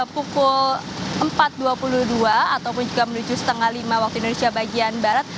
pukul empat dua puluh dua ataupun juga menuju setengah lima waktu indonesia bagian barat